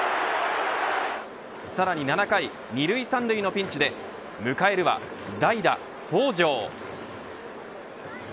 さらに７回、２塁３塁のピンチで迎えるは代打、北條。